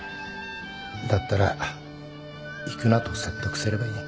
だったら行くなと説得すればいい。